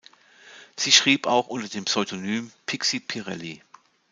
Sie schrieb auch unter dem Pseudonym Pixie Pirelli.